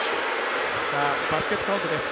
バスケットカウントです。